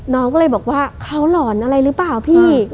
น้องก็เลยบอกว่าเขาหลอนอะไรหรือเปล่าพี่